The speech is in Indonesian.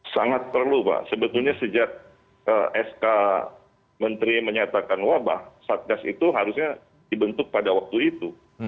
sangat perlu pak sebetulnya sejak sk menteri menyatakan wabah satgas itu harusnya dibentuk pada waktu itu